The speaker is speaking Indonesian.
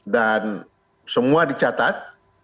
dan semua dicatat